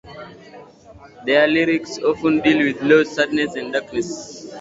Their lyrics often deal with loss, sadness, and darkness.